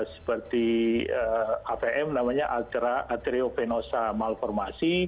seperti avm namanya arteriovenosa malformatis